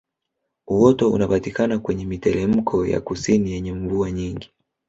Uoto unapatikana kwenye mitelemko ya kusini yenye mvua nyingi